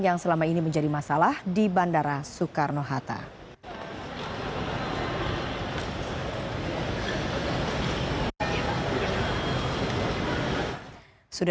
yang selama ini menjadi masalah di bandara soekarno hatta